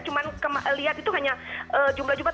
cuma lihat itu hanya jumlah jumat